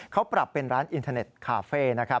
เขาปรับเป็นร้านอินเทอร์เน็ตคาเฟ่นะครับ